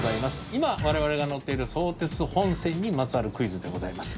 今我々が乗っている相鉄本線にまつわるクイズでございます。